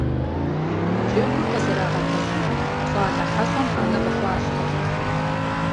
Джэгур къызэрагъэпэщыху, щӀалэ хьэщӀэм Ӏэнэ къыхуащтэрт.